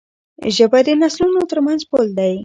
ژبه د نسلونو ترمنځ پُل دی.